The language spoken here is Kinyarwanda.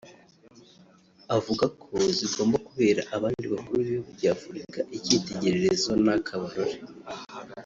avuga ko zigomba kubera abandi bakuru b’ibihugu bya Afurika icyitegererezo n’akabarore